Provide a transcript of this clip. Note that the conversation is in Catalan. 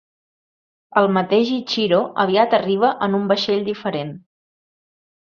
El mateix Ichiro aviat arriba en un vaixell diferent.